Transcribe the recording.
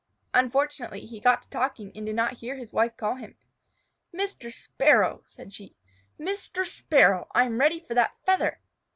Unfortunately, he got to talking and did not hear his wife call him. "Mr. Sparrow!" said she. "Mr. Sparrow! I am ready for that feather."